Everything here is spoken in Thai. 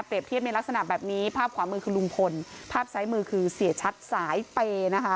เทียบในลักษณะแบบนี้ภาพขวามือคือลุงพลภาพซ้ายมือคือเสียชัดสายเปย์นะคะ